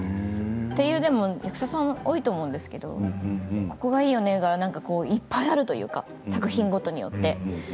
そういう役者さん多いと思うんですけれどここがいいよねというのがいっぱいあるというか作品ごとによって。